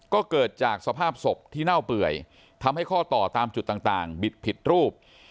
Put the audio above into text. ก็เกิดจากสภาพศพที่เน่าเปื่อยทำให้ข้อต่อตามจุดต่างบิดผิดรูป